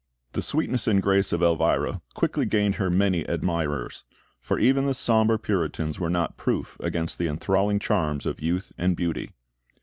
The sweetness and grace of Elvira quickly gained her many admirers; for even the sombre Puritans were not proof against the enthralling charms of youth and beauty.